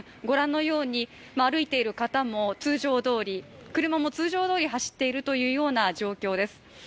御覧のように歩いている方も通常どおり、車も通常どおり走っている状況です。